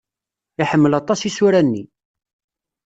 Iḥemmel aṭas isura-nni.